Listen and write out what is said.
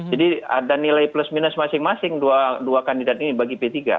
jadi ada nilai plus minus masing masing dua kandidat ini bagi p tiga